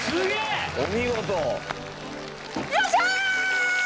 よっしゃ！